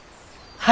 はい。